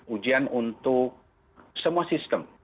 ujian untuk semua sistem